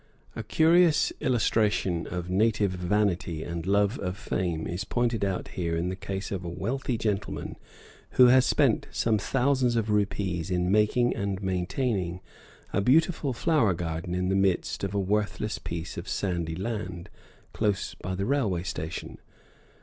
A curious illustration of native vanity and love of fame is pointed out here in the case of a wealthy gentleman who has spent some thousands of rupees in making and maintaining a beautiful flower garden in the midst of a worthless piece of sandy land, close by the railway station.